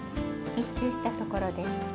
１周したところです。